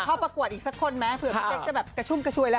กบเข้าประกวดอีกสักคนไหมเผื่อเจ๊จะแบบกระชุมกระชวยแล้ว